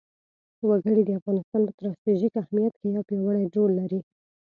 وګړي د افغانستان په ستراتیژیک اهمیت کې یو پیاوړی رول لري.